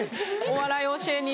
お笑い教えに？